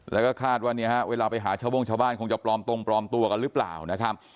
แล้วก็คาดว่าเนี่ยฮะเวลาไปหาชาวโม่งชาวบ้านคงจะปลอมตรงปลอมตัวกันหรือเปล่านะครับ